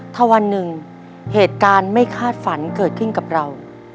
ถ้าวันหนึ่งเหตุการณ์ไม่คาดฝันเกิดขึ้นกับเรา